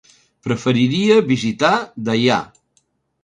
Preferiria visitar Deià.